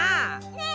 ・ねえ